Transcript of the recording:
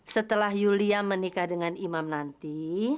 setelah yulia menikah dengan imam nanti